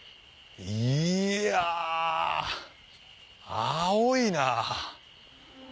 いや青いな。